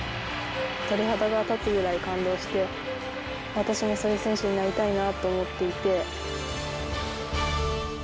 鳥肌が立つぐらい感動して私もそういう選手になりたいなと思っていて。